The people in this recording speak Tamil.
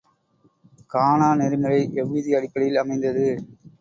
கானோ நெறிமுறை எவ்விதி அடிப்படையில் அமைந்தது?